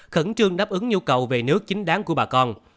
khẩn trương đáp ứng nhu cầu về nước chính đáng của bà con